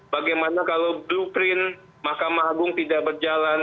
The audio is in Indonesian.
bagaimana kalau blueprint mahkamah agung tidak berjalan